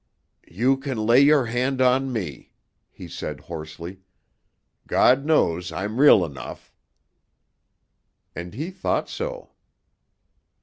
"You can lay your hand on me," he said hoarsely. "God knows I'm real enough." And he thought so!